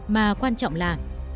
mà quan trọng là